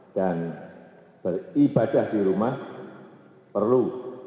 dan beribadah di rumah perlu